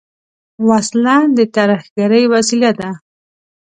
وسله د ترهګرۍ وسیله ده